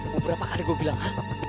beberapa kali gue bilang